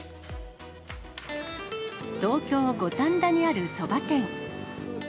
東京・五反田にあるそば店。